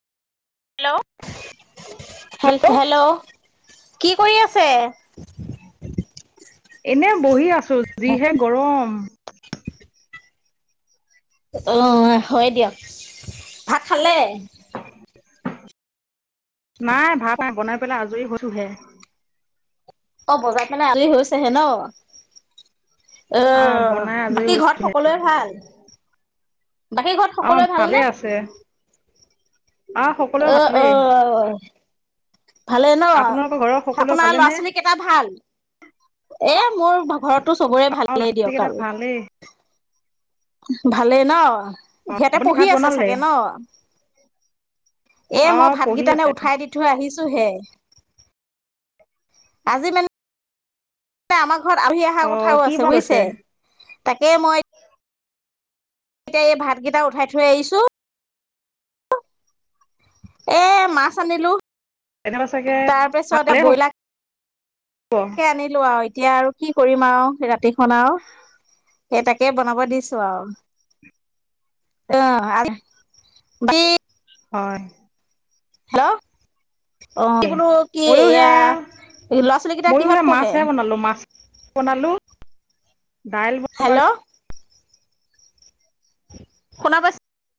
Hello hello কি কৰি আছে।? এনে বহি আছ যিহে গৰম অ হয় দিয়ক ভাত খালে [inaudible] নাই ভাল পাই বনাই পেলাই আজৰি হৈছোহে অ বজাৰখে আজৰি হৈছেহে ন অঁ আহ বনাই আজৰি বাকী ঘৰত হৈছোহে সকলোৱে ভাল বাকী ঘৰত অঁ সকলোৱে ভালে ভালনে আছে অঁ সকলোৱে অ অ ভালেই ভালে ন আপোনালোকৰ ঘৰৰ সকলোৱে আপোনাৰ ল'ৰা ভালেনে ছোৱালীকেইটা ভাল এ মোৰ ঘৰতো চবৰে অঁ ল'ৰা ভালেই দিয়ক ছোৱালীকেইটা আৰু ভালেই ভালে ন অঁ সিহঁতে আপুনি পঢ়ি ভাত আছে বনালে চাগে ন এ মই অঁ ভাত পঢ়ি কেইটানে আছে উঠাই দি থৈ আহিছো সে আজি মানে আমাক ত আলহী অহাৰ অঁ কথাও কি আছে বা লৈছে বুজিছে তাকে মই এতিয়া এই ভাতকেইটা উঠাই থৈ আহিছো এ মাছ আনিলো তেনেহ'লে চাগে তাৰ পিছতে ভালেই হ'ব ব্ৰইলাৰলে আনিলো আৰু এতিয়া আৰু কি কৰিম আৰু ৰাতিখন আৰু সেইটাকে বনাব দিছো আৰু আহ হয় হেল্ল' অ কি বোলো কি ময়ো এয়া সেয়া ল'ৰা ছোৱালী কেইটা কিহত পঢ়ে বনালো। ডাইল বাৰ হেল্ল' শুনা পাইছে?